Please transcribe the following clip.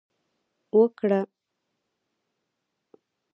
وکړه